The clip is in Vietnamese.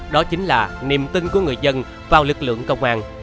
đó chính là niềm tin của người dân vào lực lượng công an